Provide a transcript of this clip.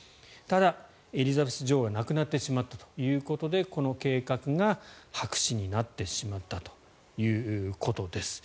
ただ、エリザベス女王が亡くなってしまったということでこの計画が白紙になってしまったということです。